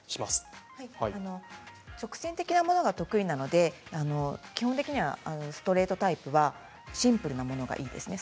直線的なものが得意なので基本的にはストレートタイプはシンプルなものがいいですね。